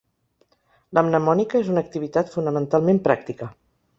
La mnemònica és una activitat fonamentalment pràctica.